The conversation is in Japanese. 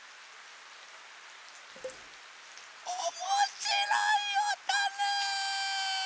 おもしろいおとね！